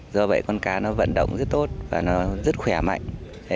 do vậy con cá nó vận động rất tốt và nó rất khỏe mạnh